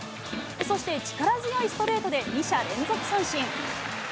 そして力強いストレートで、２者連続三振。